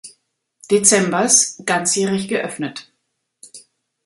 Dezembers, ganzjährig geöffnet.